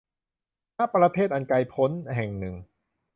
ณ ประเทศอันไกลพ้นแห่งหนึ่ง